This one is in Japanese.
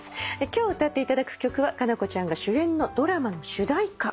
今日歌っていただく曲は夏菜子ちゃんが主演のドラマの主題歌。